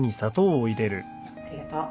ありがとう。